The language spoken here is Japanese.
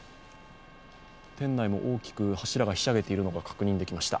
店内も大きく柱がひしゃげているのが確認できました。